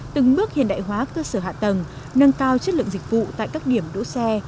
từng bước hiện đại hóa cơ sở hạ tầng nâng cao chất lượng dịch vụ tại các điểm đỗ xe